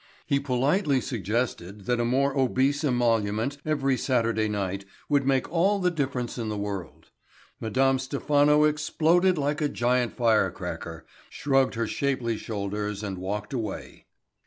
He politely suggested that a more obese emolument every Saturday night would make all the difference in the world. Madame Stephano exploded like a giant firecracker, shrugged her shapely shoulders and walked away.